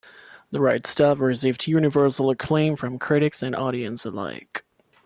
"The Right Stuff" received universal acclaim from critics and audience alike.